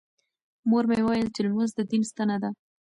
مور مې وویل چې لمونځ د دین ستنه ده.